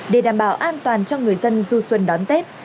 để đảm bảo an toàn cho người dân du xuân đón tết